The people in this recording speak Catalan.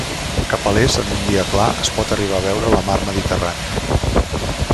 Cap a l'est en un dia clar es pot arribar a veure la mar Mediterrània.